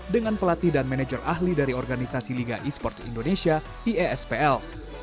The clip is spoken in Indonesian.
dengan pelatih dan manajer ahli dari organisasi liga e sports indonesia iespl